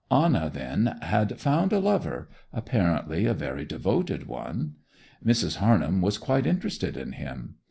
Anna, then, had found a lover, apparently a very devoted one. Mrs. Harnham was quite interested in him.